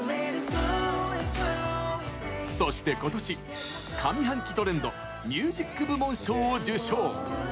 そして、ことし、上半期トレンドミュージック部門賞を受賞。